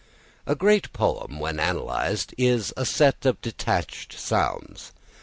A great poem, when analysed, is a set of detached sounds.